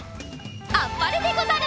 あっぱれでござる。